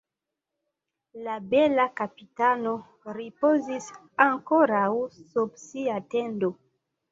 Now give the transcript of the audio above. La bela kapitano ripozis ankoraŭ sub sia tendo.